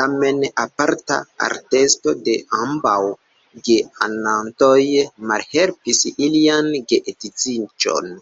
Tamen aparta aresto de ambaŭ geamantoj malhelpis ilian geedziĝon.